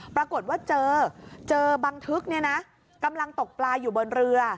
ปรากฏว่าเจอเจอบังทึกเนี่ยนะกำลังตกปลาอยู่บนเรือ